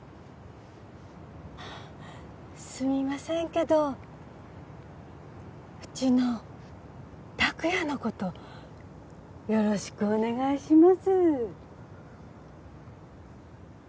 すみませんけどうちの託也の事よろしくお願いします。